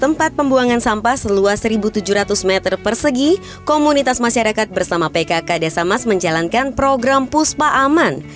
tempat pembuangan sampah seluas satu tujuh ratus meter persegi komunitas masyarakat bersama pkk desa mas menjalankan program puspa aman